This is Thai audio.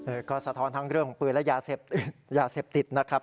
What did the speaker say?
เออก็สะท้อนทั้งเรื่องของปืนและยาเสพติดนะครับ